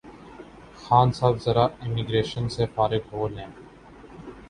خان صاحب ذرا امیگریشن سے فارغ ہولیں